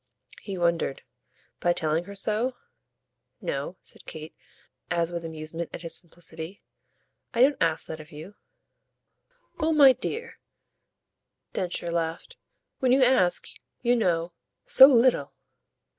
He wondered. "By telling her so?" "No," said Kate as with amusement at his simplicity; "I don't ask that of you." "Oh my dear," Densher laughed, "when you ask, you know, so little